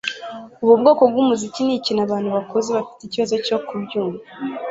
Ubu bwoko bwumuziki nikintu abantu bakuze bafite ikibazo cyo kubyumva